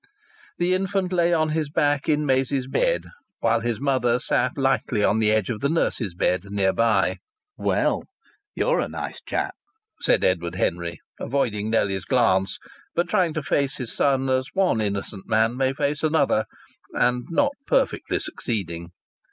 The infant lay on his back in Maisie's bed, while his mother sat lightly on the edge of nurse's bed near by. "Well, you're a nice chap!" said Edward Henry, avoiding Nellie's glance, but trying to face his son as one innocent man may face another and not perfectly succeeding.